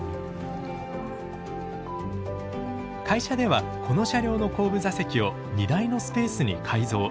会社ではこの車両の後部座席を荷台のスペースに改造。